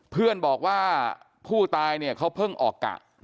เพื่อนบอกว่าผู้ตายเนี่ยเขาเพิ่งออกกะ